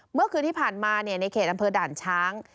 เมื่อคืนที่ผ่านมาในเขตอำเภอด่านช้าง